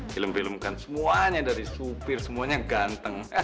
film film kan semuanya dari supir semuanya ganteng